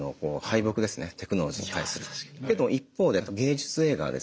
完全に一方で芸術映画ですね